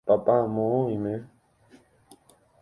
papá moõ oime